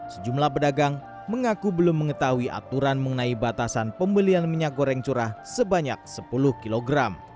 sejumlah pedagang mengaku belum mengetahui aturan mengenai batasan pembelian minyak goreng curah sebanyak sepuluh kg